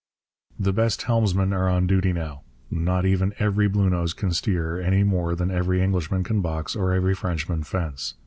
The best helmsmen are on duty now. Not even every Bluenose can steer, any more than every Englishman can box or every Frenchman fence.